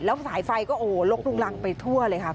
แล้วสายไฟก็โอ้โหลกลุงรังไปทั่วเลยค่ะ